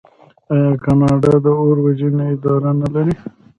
آیا کاناډا د اور وژنې اداره نلري؟